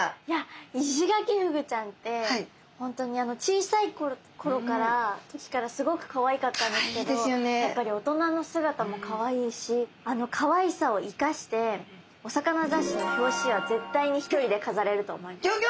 いやイシガキフグちゃんって本当に小さいころからスゴくかわいかったですけどやっぱり大人の姿もかわいいしあのかわいさを生かしてお魚雑誌の表紙は絶対に一人でかざれると思います。